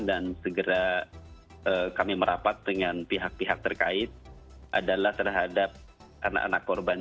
dan segera kami merapat dengan pihak pihak terkait adalah terhadap anak anak korban